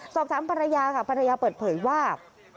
สอบถามภรรยาค่ะภรรยาเปิดเผยว่า